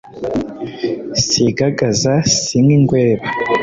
sigagaza si nk'ingweba